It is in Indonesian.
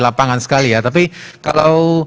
lapangan sekali ya tapi kalau